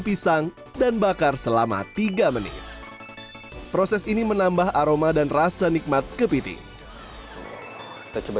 pisang dan bakar selama tiga menit proses ini menambah aroma dan rasa nikmat kepiting kita coba